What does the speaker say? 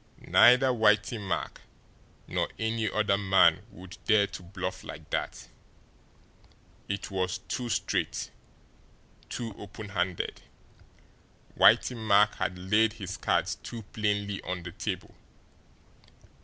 Neither Whitey Mack nor any other man would dare to bluff like that. It was too straight, too open handed, Whitey Mack had laid his cards too plainly on the table.